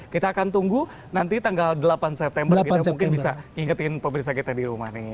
kita akan tunggu nanti tanggal delapan september kita mungkin bisa ngingetin pemirsa kita di rumah nih